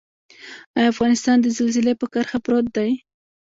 آیا افغانستان د زلزلې په کرښه پروت دی؟